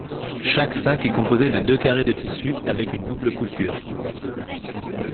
Chaque sac est composé de deux carrés de tissu avec une double couture.